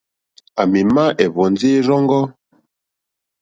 À mì má ɛ̀hwɔ̀ndí ɛ́rzɔ́ŋɔ́.